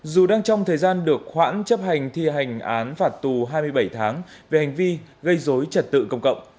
dù đang trong thời gian được khoản chấp hành thi hành án phạt tù hai mươi bảy tháng về hành vi gây dối trật tự công cộng